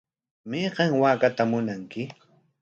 ¿Mayqan waakaatam munanki?